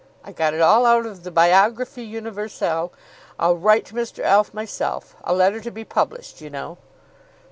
I got it all out of the 'Biographie Universelle.' I'll write to Mr. Alf myself, a letter to be published, you know."